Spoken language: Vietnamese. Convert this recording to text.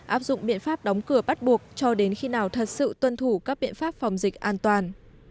áp dụng biện pháp đóng cửa bắt buộc cho đến khi nào thật sự tuân thủ các biện pháp phòng dịch an toàn